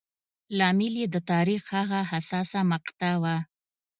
لامل یې د تاریخ هغه حساسه مقطعه وه.